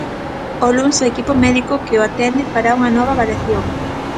O luns o equipo médico que o atende fará unha nova avaliación.